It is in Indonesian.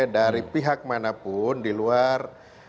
dari pihak manapun di luar